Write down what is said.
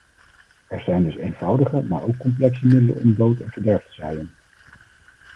Er zijn dus eenvoudige maar ook complexe middelen om dood en verderf te zaaien.